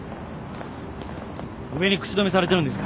上に口止めされてるんですか？